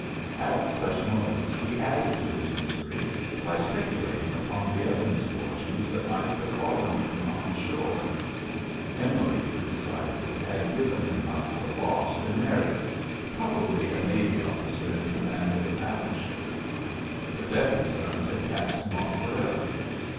At such moments he added to his misery by speculating upon the other misfortunes that might have befallen him on shore. Emily, he decided, had given him up for lost and married probably a navy officer in command of a battle ship. Burdett and Sons had cast him off forever.